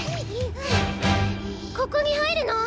ここにはいるの？